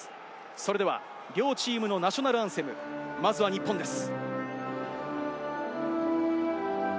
それでは両チームのナショナルアンセム、まずは日本です。